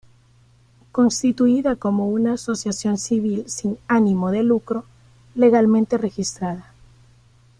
Constituida como una asociación civil sin ánimo de lucro, legalmente registrada.